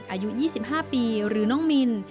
อายุ๒๕ปีหรือน้องมิน